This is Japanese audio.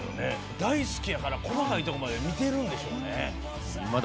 大好きやから細かいとこまで見てるんでしょうね。